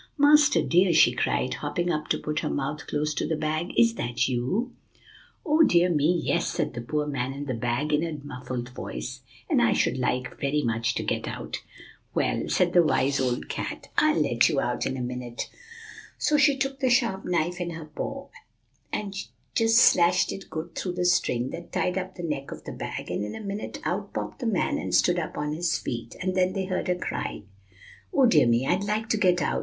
'Master, dear,' she cried, hopping up to put her mouth close to the bag, 'is that you?' "'Oh, dear me, yes!' said the poor man in the bag, in a muffled voice, 'and I should like very much to get out.' "'Well,' said the wise old cat, 'I'll let you out in a minute.' So she took the sharp knife in her paw, and she just slashed it good through the string that tied up the neck of the bag, and in a minute out popped the man, and stood up on his feet. And then they heard a cry, 'Oh, dear me, I'd like to get out!